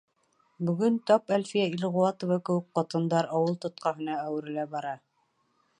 Бөгөн тап Әлфиә Илғыуатова кеүек ҡатындар ауыл тотҡаһына әүерелә бара.